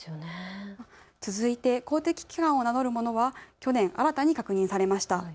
続いて公的機関を名乗るものは去年新たに確認されました。